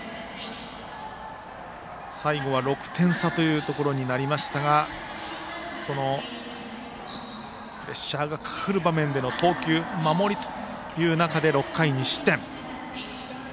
最後６点差となりましたがプレッシャーがかかる場面での投球守りという中で６回２失点。